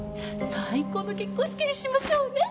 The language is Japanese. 最高の結婚式にしましょうね。